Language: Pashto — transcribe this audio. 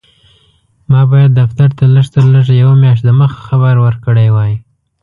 ما باید دفتر ته لږ تر لږه یوه میاشت دمخه خبر ورکړی وای.